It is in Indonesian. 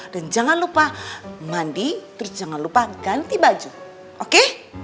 dan jangan lupa mandi terus jangan lupa ganti baju oke